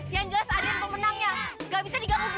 yang jelas adrian pemenangnya